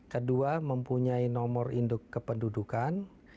kedua mempunyai nomor induk kependudukan